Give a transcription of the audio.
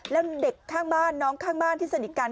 แล้วเด็กข้างบ้านน้องข้างบ้านที่สนิทกัน